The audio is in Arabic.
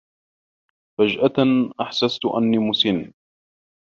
فجأة أحسست أني مسن.